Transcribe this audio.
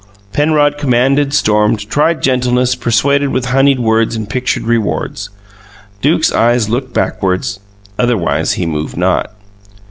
Penrod commanded, stormed, tried gentleness; persuaded with honeyed words and pictured rewards. Duke's eyes looked backward; otherwise he moved not.